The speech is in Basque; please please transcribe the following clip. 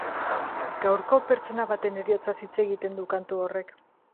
Gertuko pertsona baten heriotzaz hitz egiten du kantu horrek.